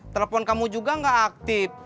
telepon kamu juga nggak aktif